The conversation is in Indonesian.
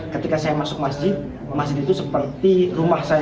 ketika saya masuk masjid masjid itu seperti rumah saya